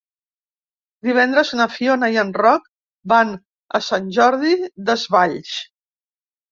Divendres na Fiona i en Roc van a Sant Jordi Desvalls.